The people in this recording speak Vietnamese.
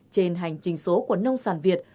trên hành trình số của nông sản việt